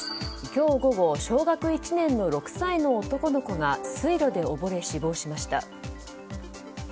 今日午後小学１年の６歳の男の子が水路で溺れ、死亡しました。